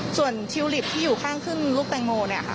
ส่วนทิวลิตที่อยู่ข้างขึ้นลูกตังโม